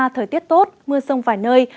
thời tiết tốt mưa sông vài nơi